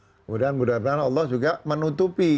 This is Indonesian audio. kemudian mudah mudahan allah juga menutupi